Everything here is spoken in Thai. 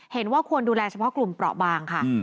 เห็นว่าควรดูแลเฉพาะกลุ่มเปราะบางค่ะ